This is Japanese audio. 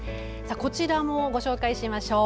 こちらもご紹介しましょう。